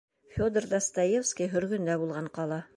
Федор Достоевский һөргөндә булған ҡала.